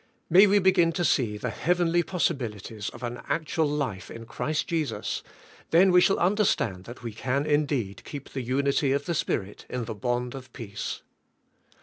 May Yv^e begin to see the heavenly possibilities of an actual life in Christ Jesus, then we shall understand that we can itideed keep the unity of the Spirit in the bond of peace.